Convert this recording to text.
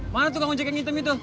mana tuh kagun cek yang hitam itu